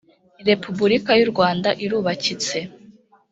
repubulika y’ u rwanda irubakitse.